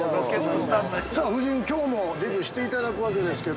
◆さあ、夫人、きょうもデビューしていただくわけですけど。